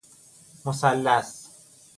مثلث